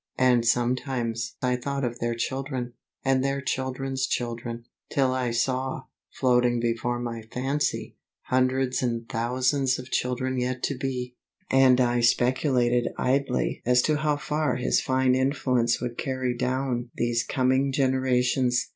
And sometimes I thought of their children, and their children's children, till I saw, floating before my fancy, hundreds and thousands of children yet to be; and I speculated idly as to how far his fine influence would carry down these coming generations.